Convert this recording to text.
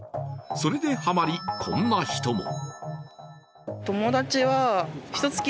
それでハマり、こんな人も。